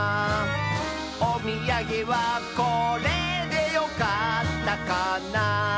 「おみやげはこれでよかったかな」